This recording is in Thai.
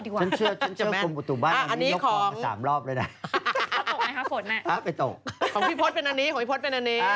ของพี่พลตเป็นอันนี้